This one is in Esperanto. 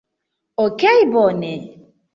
Okej' bone